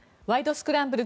スクランブル」